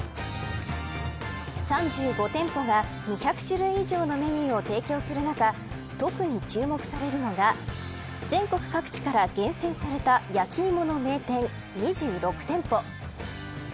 ３５店舗が２００種類以上のメニューを提供する中特に注目されるのが全国各地から厳選された焼き芋の名店２６店舗。